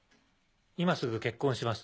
今すぐ結婚します。